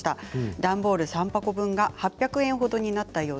段ボール３箱分が８００円ほどになりました。